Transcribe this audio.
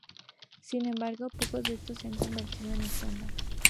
Sin embargo, pocos de estos se han convertido en estándar.